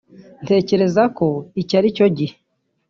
ntekereza ko iki ari cyo gihe